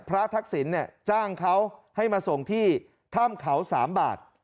พระทักศิลป์เนี่ยจ้างเขาให้มาส่งที่ถ้ำเขาสามบาท